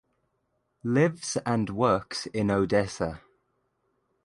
Lives and works in Odessa.